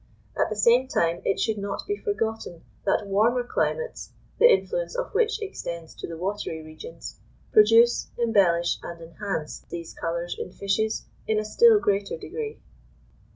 At the same time it should not be forgotten that warmer climates, the influence of which extends to the watery regions, produce, embellish, and enhance these colours in fishes in a still greater degree.